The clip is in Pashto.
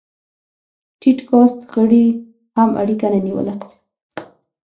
ټيټ کاست غړي هم اړیکه نه نیوله.